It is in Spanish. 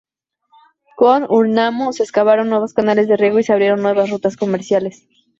Con Ur-Nammu, se excavaron nuevos canales de riego y se abrieron nuevas rutas comerciales.